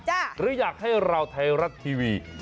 หรืออยากให้เราไทยรัฐทีวี